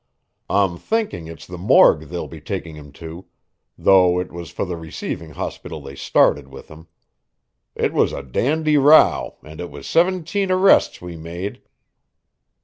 I'm thinking it's the morgue they'll be taking him to, though it was for the receiving hospital they started with him. It was a dandy row, and it was siventeen arrists we made."